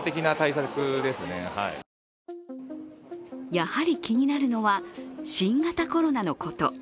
やはり気になるのは新型コロナのこと。